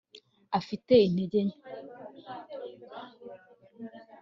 afite intege nke